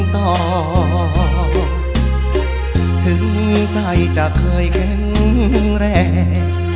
ต่อถึงใจจะเคยแข็งแรง